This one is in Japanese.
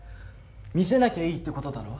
見せなきゃいいって事だろ？